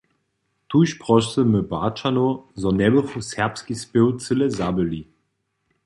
Tuž prosymy Barćanow, zo njebychu serbski spěw cyle zabyli.